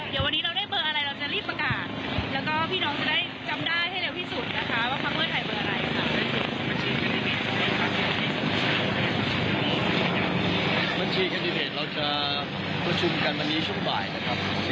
เดี๋ยววันนี้เราได้เบอร์อะไรเราจะรีบประกาศ